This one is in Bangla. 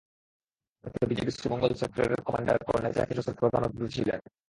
এতে বিজিবির শ্রীমঙ্গল সেক্টরের কমান্ডার কর্নেল জাকির হোসেন প্রধান অতিথি ছিলেন।